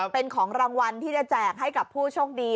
เป็นของรางวัลที่จะแจกให้กับผู้โชคดี